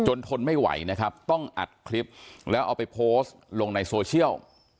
ทนไม่ไหวนะครับต้องอัดคลิปแล้วเอาไปโพสต์ลงในโซเชียล